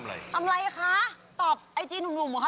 ไม่ได้ไปต่อทำอะไรคะตอบไอจีนุ่มค่ะ